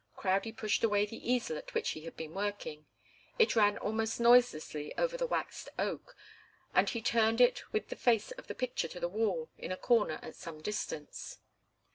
Crowdie pushed away the easel at which he had been working. It ran almost noiselessly over the waxed oak, and he turned it with the face of the picture to the wall in a corner at some distance.